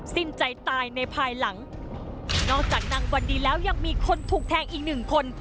สิ้นใจตายในภายหลังนอกจากนางวันดีแล้วยังมีคนถูกแทงอีกหนึ่งคน